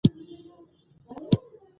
دوی په مورفي کې یو شی دي.